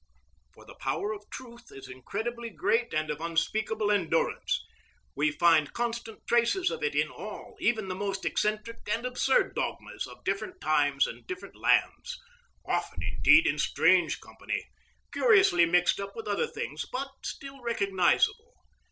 For the power of truth is incredibly great and of unspeakable endurance. We find constant traces of it in all, even the most eccentric and absurd dogmas, of different times and different lands,—often indeed in strange company, curiously mixed up with other things, but still recognisable.